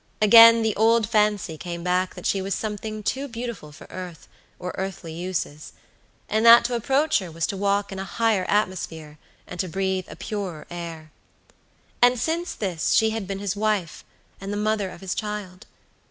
Again the old fancy came back that she was something too beautiful for earth, or earthly uses, and that to approach her was to walk in a higher atmosphere and to breathe a purer air. And since this she had been his wife, and the mother of his child.